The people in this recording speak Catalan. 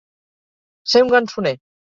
Ser un gansoner.